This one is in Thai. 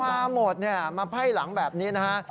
มาหมดเนี่ยมาไพ่หลังแบบนี้นะฮะ